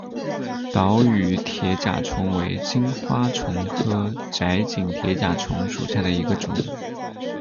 岛屿铁甲虫为金花虫科窄颈铁甲虫属下的一个种。